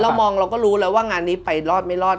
มองเราก็รู้แล้วว่างานนี้ไปรอดไม่รอด